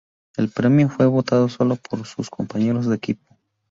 El premio fue votado sólo por sus compañeros de equipo.